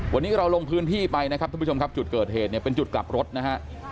วันนี้เราลงพื้นที่ไปนะครับทุกผู้ชมครับจุดเกิดเหตุเนี่ยเป็นจุดกลับรถนะฮะ